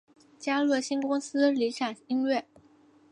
加入新公司理响音乐。